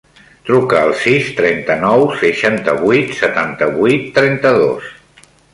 Truca al sis, trenta-nou, seixanta-vuit, setanta-vuit, trenta-dos.